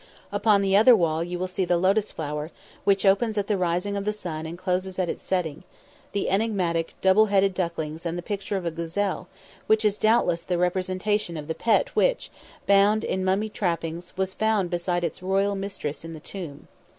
Upon the other wall you will see the lotus flower, which opens at the rising of the sun and closes at its setting; the enigmatic double headed ducklings and the picture of a gazelle, which is doubtless the representation of the pet which, bound in mummy trappings, was found beside its royal mistress in the tomb.